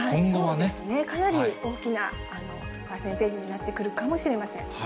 そうですね、かなり大きなパーセンテージになってくるかもしれません。